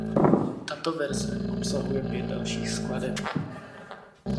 Tato verze obsahuje pět dalších skladeb.